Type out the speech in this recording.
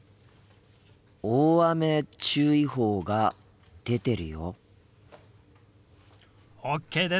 大雨注意報が出てるよ。